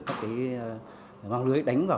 các cái băng lưới đánh vào